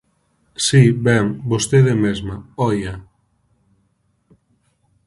Si, ben, vostede mesma, ¡oia!